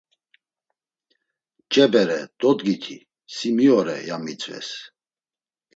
Ç̌e bere dodgiti, si min ore? ya mitzves.